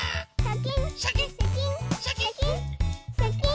シャキン